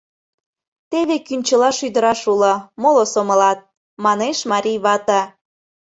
Теве кӱнчыла шӱдыраш уло, моло сомылат... — манеш марий вате.